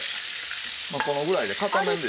このぐらいで片面でいい。